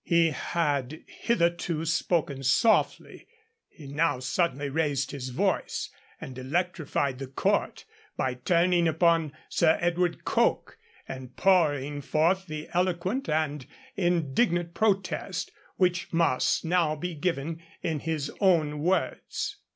He had hitherto spoken softly; he now suddenly raised his voice, and electrified the court by turning upon Sir Edward Coke, and pouring forth the eloquent and indignant protest which must now be given in his own words.